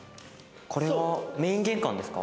これはメイン玄関ですか？